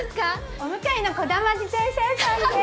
お向かいのコダマ自転車屋さんです。